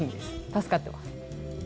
助かってます。